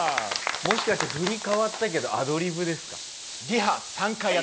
もしかして振り変わってたけどアドリブですか？